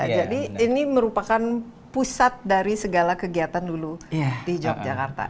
jadi ini merupakan pusat dari segala kegiatan lulu di yogyakarta